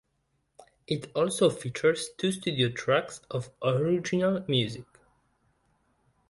It also features two studio tracks of original music.